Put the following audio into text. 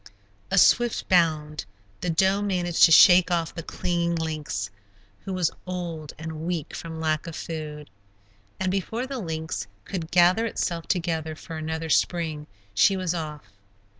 A swift bound. The doe managed to shake off the clinging lynx, who was old and weak from lack of food. And before the lynx could gather itself together for another spring, she was off.